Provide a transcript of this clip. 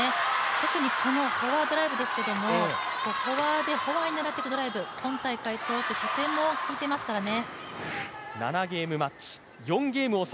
特にこのフォアドライブですけれども、フォアでフォアを狙っていくドライブ、今大会、とても効いていますからね